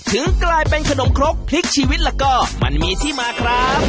ถึงกลายเป็นขนมครกพลิกชีวิตแล้วก็มันมีที่มาครับ